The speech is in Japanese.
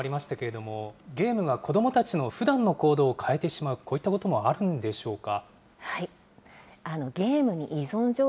高橋さん、ＶＴＲにもありましたけれども、ゲームが子どもたちのふだんの行動を変えてしまう、こういったこともあるんでしょうか。